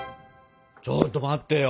ちょっと待ってよ。